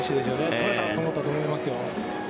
とれたと思ったと思いますよ。